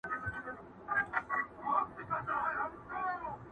زه هم ځان سره یو څه دلیل لرمه،